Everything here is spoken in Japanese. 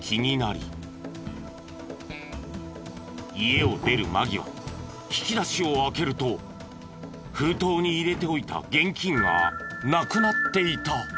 家を出る間際引き出しを開けると封筒に入れておいた現金がなくなっていた。